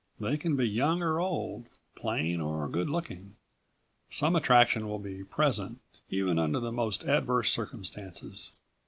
They can be young or old, plain or good looking. Some attraction will be present, even under the most adverse circumstances.